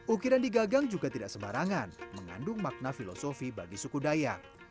ukiran digagang juga tidak sembarangan mengandung makna filosofi bagi suku dayak